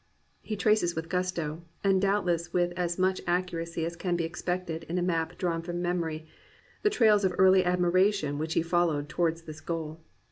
He traces with gusto, and doubtless with as much accuracy as can be expected in a map drawn from memory, the trails of early admiration which he followed towards this goal.